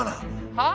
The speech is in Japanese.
はあ？